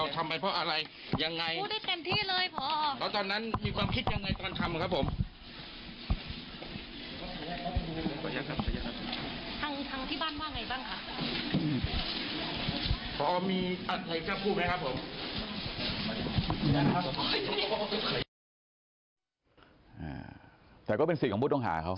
สิทธิ์ของผู้ต้องหาเขา